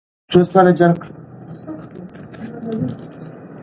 د منابعو ښه کارول د ټولنې پرمختګ زیاتوي.